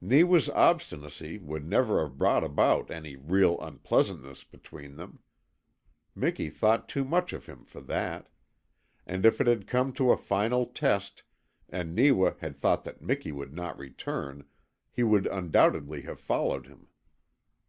Neewa's obstinacy would never have brought about any real unpleasantness between them. Miki thought too much of him for that; and if it had come to a final test, and Neewa had thought that Miki would not return, he would undoubtedly have followed him.